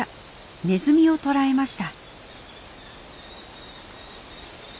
ネズミを捕らえました。